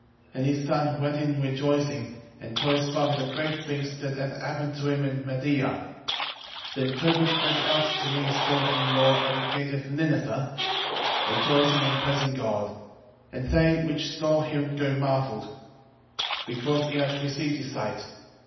And his son went in rejoicing, and told his father the great things that had happened to him in Media. 11:16 Then Tobit went out to meet his daughter in law at the gate of Nineve, rejoicing and praising God: and they which saw him go marvelled, because he had received his sight.